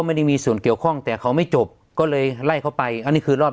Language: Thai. ไม่ได้มีส่วนเกี่ยวข้องแต่เขาไม่จบก็เลยไล่เขาไปอันนี้คือรอบ